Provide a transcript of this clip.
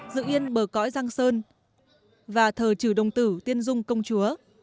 dự yên bờ cõi giang sơn và thờ trừ đồng tử tiên dung công chúa